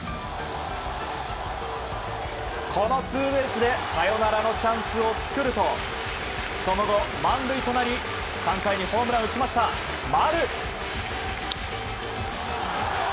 このツーベースでサヨナラのチャンスを作るとその後、満塁となり３回にホームランを打ちました丸。